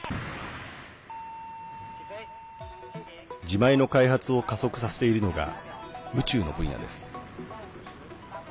自前の開発を加速させているのが宇宙の分野です。